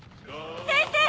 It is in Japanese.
先生。